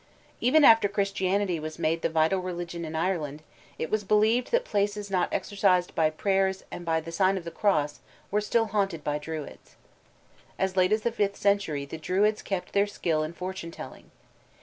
Even after Christianity was made the vital religion in Ireland, it was believed that places not exorcised by prayers and by the sign of the cross, were still haunted by Druids. As late as the fifth century the Druids kept their skill in fortune telling.